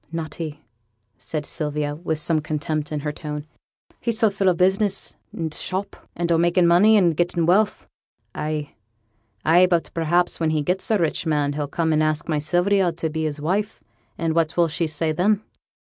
'Not he,' said Sylvia, with some contempt in her tone. 'He's so full o' business and t' shop, and o' makin' money, and gettin' wealth.' 'Ay, ay; but perhaps when he gets a rich man he'll come and ask my Sylvia to be his wife, and what will she say then?'